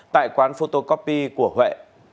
tại quán photocopy của huệ